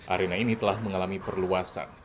arena ini telah mengalami perluasan